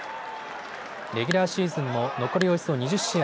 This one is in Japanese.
レギュラーシーズンも残りおよそ２０試合。